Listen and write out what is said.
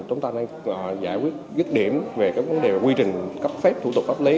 chúng ta đang giải quyết điểm về các vấn đề quy trình cấp phép thủ tục pháp lý